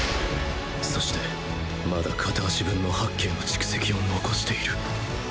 そしてまだ片足分の発勁の蓄積を残している